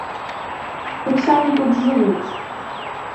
Хоць самі тут жывуць!